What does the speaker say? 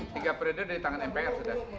tiga periode dari tangan mpr sudah